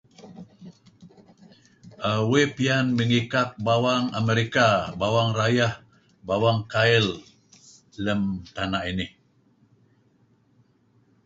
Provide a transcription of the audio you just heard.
err Uih piyan mey mikak bawang America, bawang rayeh, bawang kail lem tana' inih.